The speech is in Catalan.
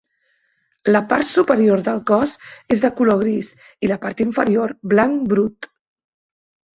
La part superior del cos és de color gris i la part inferior blanc brut.